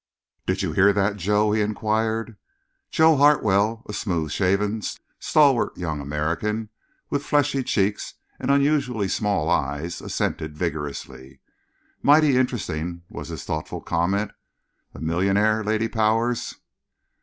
"Did you hear that, Joe?" he enquired. Joe Hartwell, a smooth shaven, stalwart young American, with fleshy cheeks and unusually small eyes, assented vigorously. "Mighty interesting," was his thoughtful comment. "A millionaire, Lady Powers."